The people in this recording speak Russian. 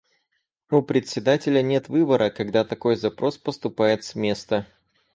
У Председателя нет выбора, когда такой запрос поступает с места.